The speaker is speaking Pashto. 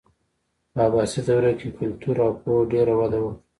په عباسي دوره کې کلتور او پوهې ډېره وده وکړه.